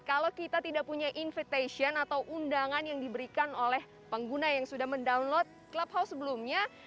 kalau kita tidak punya invitation atau undangan yang diberikan oleh pengguna yang sudah mendownload clubhouse sebelumnya